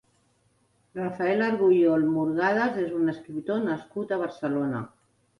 Rafael Argullol Murgadas és un escriptor nascut a Barcelona.